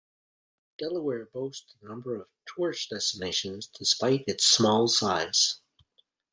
Delaware boasts a number of tourist destinations despite its small size.